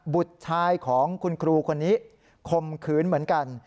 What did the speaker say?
บุตรชายของคุณครูคนนี้ข่มขืนเหมือนกัน